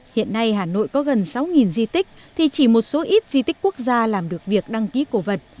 hiện nay hà nội có gần sáu di tích thì chỉ một số ít di tích quốc gia làm được việc đăng ký cổ vật